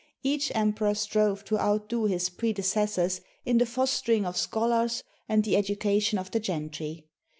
Each emperor strove to outdo his predecessors in the fostering of scholars and the education of the gentry.